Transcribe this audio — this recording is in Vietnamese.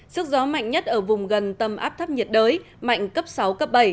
sức gió mạnh nhất ở vùng gần tâm áp thấp nhiệt đới mạnh cấp sáu cấp bảy